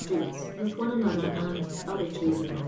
iN with one another and other chiliren «if t!